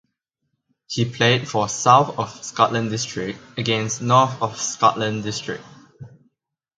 He played for South of Scotland District against North of Scotland District.